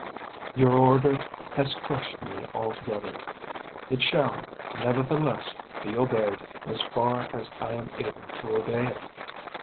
Your order has crushed me altogether. It shall, nevertheless, be obeyed as far as I am able to obey it.